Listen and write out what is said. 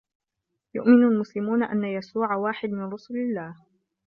يؤمن المسلمون أنّ يسوع واحد من رسل الله.